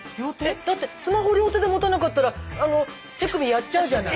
だってスマホ両手で持たなかったらあの手首やっちゃうじゃない。